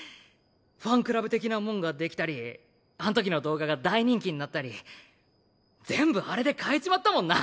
ファンクラブ的なもんが出来たりあんときの動画が大人気になったり全部あれで変えちまったもんな。